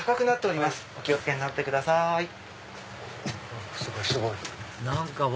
お気を付けになってください。